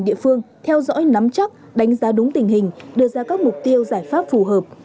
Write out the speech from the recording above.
địa phương theo dõi nắm chắc đánh giá đúng tình hình đưa ra các mục tiêu giải pháp phù hợp